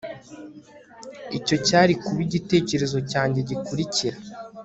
Icyo cyari kuba igitekerezo cyanjye gikurikira